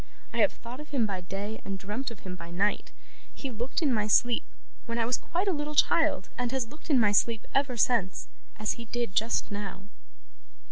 I have thought of him by day, and dreamt of him by night. He looked in my sleep, when I was quite a little child, and has looked in my sleep ever since, as he did just now.